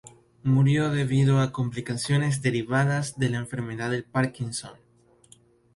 Murió debido a complicaciones derivadas de la enfermedad de Parkinson.